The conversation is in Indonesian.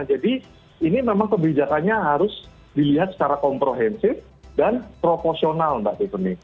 jadi ini memang kebijakannya harus dilihat secara komprehensif dan proporsional mbak tiffany